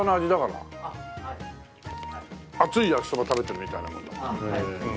熱い焼きそば食べてるみたいなもん。